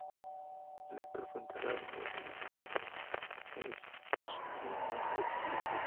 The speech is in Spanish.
El actor fue enterrado en el Cementerio de East Sheen, Londres.